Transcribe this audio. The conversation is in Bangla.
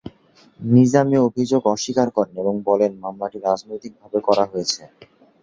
নিজামী অভিযোগ অস্বীকার করেন এবং বলেন মামলাটি রাজনৈতিকভাবে করা হয়েছে।